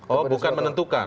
oh bukan menentukan